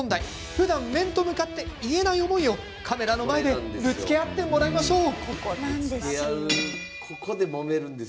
ふだん面と向かって言えない思いを、カメラの前でぶつけ合ってもらいましょう。